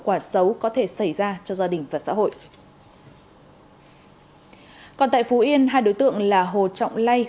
và giấu có thể xảy ra cho gia đình và xã hội còn tại phú yên hai đối tượng là hồ trọng lay